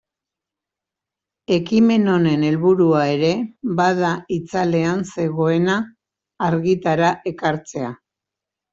Ekimen honen helburua ere bada itzalean zegoena argitara ekartzea.